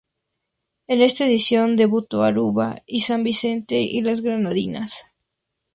En esta edición debutaron Aruba y San Vicente y las Granadinas.